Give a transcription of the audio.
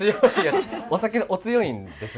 お酒お強いんですね。